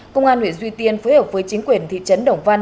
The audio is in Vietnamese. công an huyện duy tiên phối hợp với chính quyền thị trấn đồng văn